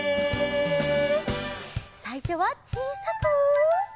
さいしょはちいさく。